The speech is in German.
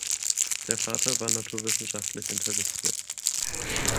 Der Vater war naturwissenschaftlich interessiert.